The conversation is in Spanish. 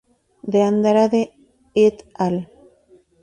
De Andrade "et al.